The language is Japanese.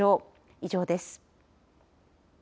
以上です。